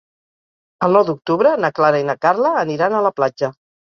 El nou d'octubre na Clara i na Carla aniran a la platja.